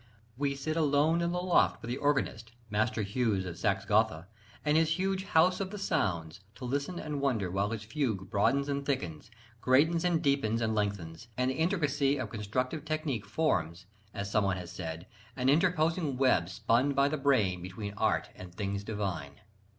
We "sit alone in the loft" with the organist, Master Hughes of Saxe Gotha, and his "huge house of the sounds," to listen and wonder while his fugue "broadens and thickens, greatens and deepens and lengthens," and the intricacy of constructive technique forms, as someone has said, "an interposing web spun by the brain between art and things divine."